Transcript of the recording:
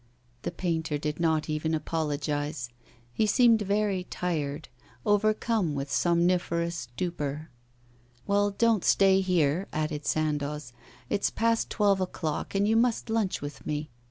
The painter did not even apologise. He seemed very tired, overcome with somniferous stupor. 'Well, don't stay here,' added Sandoz. 'It's past twelve o'clock, and you must lunch with me.